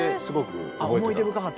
思い出深かった？